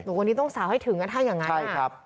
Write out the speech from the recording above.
แต่วันนี้ต้องสาวให้ถึงถ้าอย่างนั้น